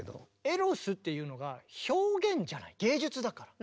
「エロス」っていうのが表現じゃない芸術だから。